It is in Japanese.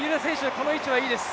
この位置はいいです。